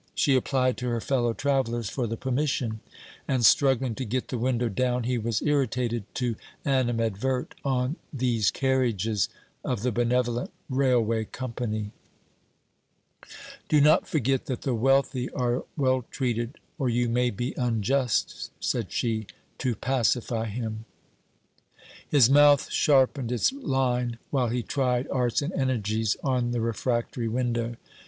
She applied to her fellow travellers for the permission; and struggling to get the window down, he was irritated to animadvert on 'these carriages' of the benevolent railway Company. 'Do not forget that the wealthy are well treated, or you may be unjust,' said she, to pacify him. His mouth sharpened its line while he tried arts and energies on the refractory window.